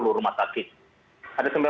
ada sembilan puluh dua rumah sakit di surabaya